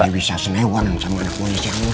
saya bisa senewan sama anak wajahnya